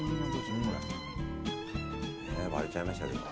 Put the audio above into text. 割れちゃいましたけど。